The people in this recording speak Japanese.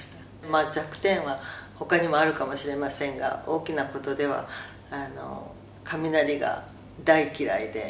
「まあ弱点は他にもあるかもしれませんが大きな事では雷が大嫌いで」